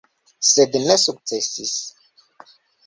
Sed ne sukcesis.